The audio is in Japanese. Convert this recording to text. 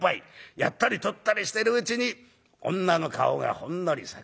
やったり取ったりしてるうちに女の顔がほんのり桜色。